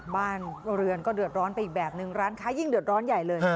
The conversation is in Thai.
บ้านเรือนก็เดือดร้อนไปอีกแบบนึงร้านค้ายิ่งเดือดร้อนใหญ่เลย